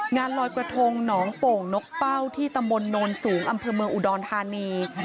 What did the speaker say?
งานลอยกระทงหนองโป่งนกเป้าที่ตำบลโนนสูงอำเภอเมืองอุดรธานี